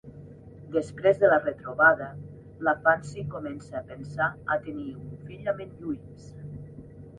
Després de la retrobada, la Fancy comença a pensar a tenir un fill amb en Lluís.